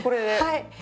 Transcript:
はい。